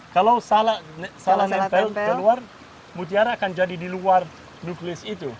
kalau salah mental keluar mutiara akan jadi di luar nuklis itu